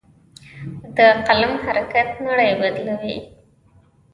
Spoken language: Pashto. د قلم حرکت نړۍ بدلوي.